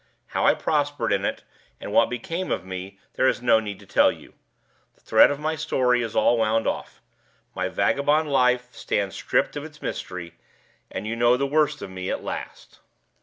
How I prospered in it, and what became of me next, there is no need to tell you. The thread of my story is all wound off; my vagabond life stands stripped of its mystery; and you know the worst of me at last."